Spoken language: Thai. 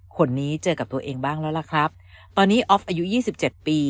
คนนี้เจอกับตัวเองบ้างแล้วล่ะครับตอนนี้ออฟอายุยี่สิบเจ็ดปี